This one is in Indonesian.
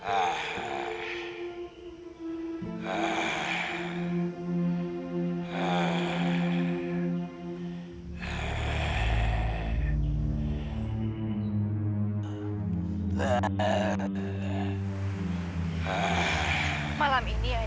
aku tidak mau